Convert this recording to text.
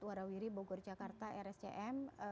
warawiri bogor jakarta rscm